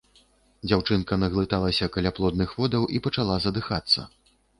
Дзяўчынка наглыталіся каляплодных водаў і пачала задыхацца.